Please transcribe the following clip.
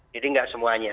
jadi nggak semuanya